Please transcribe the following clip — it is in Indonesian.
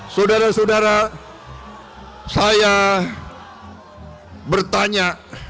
saudara saudara saya bertanya